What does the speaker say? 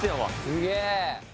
すげえ！